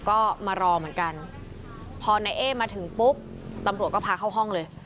ก็มารอเหมือนกันพอนายเอ๊มาถึงปุ๊บตำรวจก็พาเข้าห้องเลย